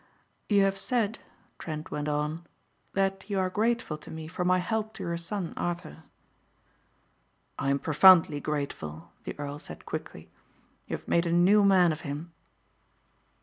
"You have said," Trent went on, "that you are grateful to me for my help to your son, Arthur." "I am profoundly grateful," the earl said quickly, "you have made a new man of him."